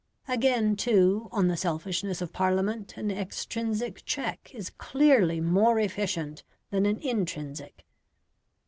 Again, too, on the selfishness of Parliament an extrinsic check is clearly more efficient than an intrinsic.